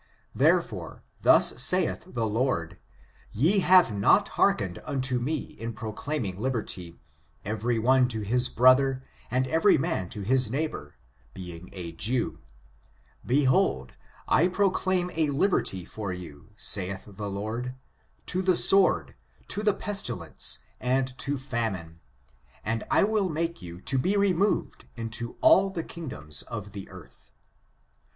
Therefore, thus saith the Lord: ye have not hearkened unto me in proclaiming liberty, every one to his brother, and every man to his neigh^ bor [being a Jew], behold ; I proclaim a liberty for you, saith the Lord, to the suwrd, to the pestilence and to famine; and I will make you to be removed into all the kingdoms of the earth."